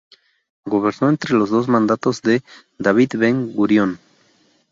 Gobernó entre los dos mandatos de David Ben-Gurión.